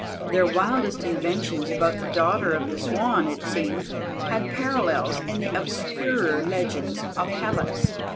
Their wildest inventions about the Daughter of the Swan, it seemed, had parallels in the obscurer legends of Hellas.